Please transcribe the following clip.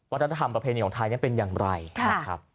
วัฒนธรรมประเพณีของไทยนี้เป็นอย่างไรค่ะ